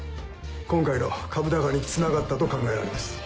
今回の株高につながったと考えられます。